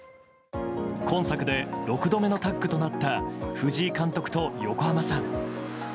今作で６度目のタッグとなった藤井監督と横浜さん。